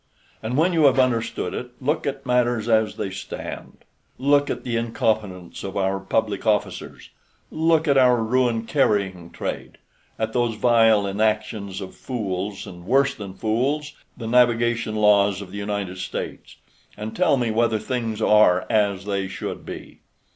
"And when you have understood it, look at matters as they stand. Look at the incompetence of our public officers, look at our ruined carrying trade, at those vile enactions of fools, and worse than fools, the Navigation Laws of the United States, and tell me whether things are as they should be.